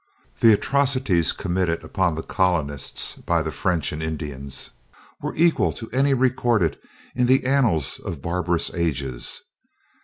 The atrocities committed upon the colonists by the French and Indians were equal to any recorded in the annals of barbarous ages.